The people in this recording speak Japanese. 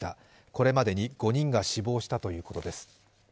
これまでに５人が死亡したということです。